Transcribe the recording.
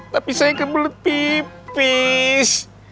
tapi saya kebelet pipis